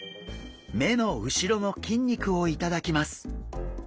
目の後ろの筋肉を頂きます。